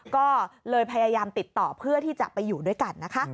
ก็เลยพยายามติดต่อเพื่อที่จะไปอยู่ด้วยกันนะคะ